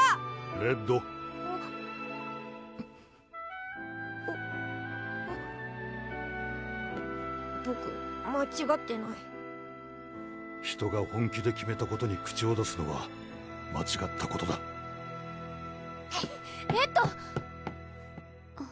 レッドあっボク間違ってない人が本気で決めたことに口を出すのは間違ったことだレッド！